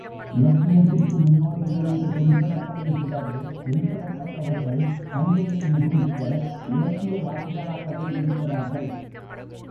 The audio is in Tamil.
இலக்கியத்திற்கு முன்னோடிகள் என்று குறிப்பிடப்படும் சிலரில் குறிப்பிடத்தக்கவர்கள் தஞ்சையில் முகிழ்த்த இலக்கியவாதிகளாகவே இருக்கிறார்கள்.